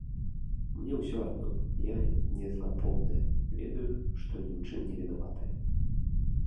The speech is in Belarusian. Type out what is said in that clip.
Мне ўсё адно, я не злапомная, ведаю, што ні ў чым не вінаватая.